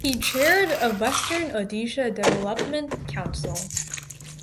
He chaired of Western Odisha Development Council.